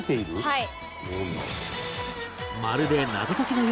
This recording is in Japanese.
はい。